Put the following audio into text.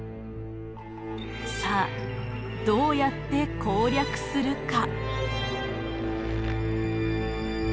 さあどうやって攻略するか？